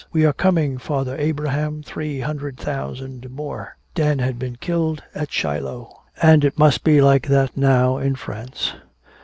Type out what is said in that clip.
"We are coming, Father Abraham, three hundred thousand more." Dan had been killed at Shiloh. And it must be like that now in France.